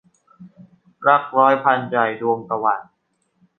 รักร้อยพันใจ - ดวงตะวัน